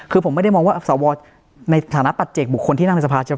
คือผมไม่ได้มองว่าสวในฐานะปัจเจกบุคคลที่นั่งในสภา